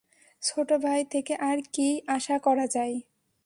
ছোট ভাই থেকে আর কীই আশা করা যায়?